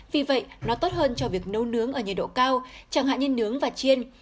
vì vậy nó tốt hơn cho việc nấu nướng ở nhiệt độ cao chẳng hạn như nướng và chiên